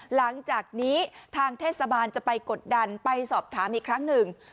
หลังจากนี้ทางเทศบาลจะไปกดดันไปสอบถามอีกครั้งหนึ่ง